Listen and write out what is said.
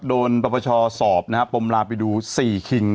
โดนมหาประบาชาสอบปมราไปดู๔คิง